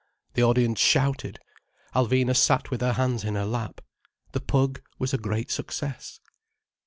The audience shouted. Alvina sat with her hands in her lap. The Pug was a great success.